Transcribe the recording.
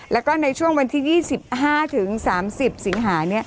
แล้วก็ในช่วงวันที่๒๕๓๐สิงหา